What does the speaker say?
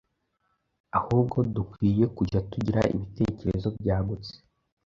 Ahubwo dukwiriye kujya tugira ibitekerezo byagutse,